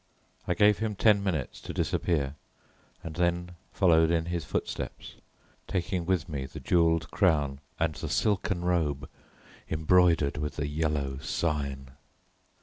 I gave him ten minutes to disappear and then followed in his footsteps, taking with me the jewelled crown and the silken robe embroidered with the Yellow Sign.